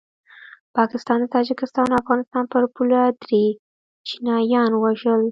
پاکستان د تاجکستان او افغانستان پر پوله دري چینایان ووژل